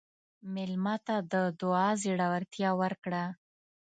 مېلمه ته د دعا زړورتیا ورکړه.